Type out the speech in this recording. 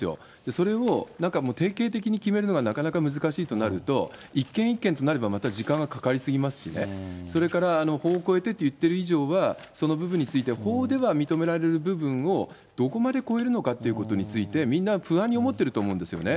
それを定型的に決めるのがなかなか難しいとなると、一件一件となればまた時間がかかり過ぎますしね、それから法を超えてって言っている以上は、その部分について、法では認められる部分をどこまで超えるのかということについて、みんな不安に思ってると思うんですよね。